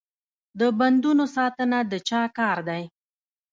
د بندونو ساتنه د چا کار دی؟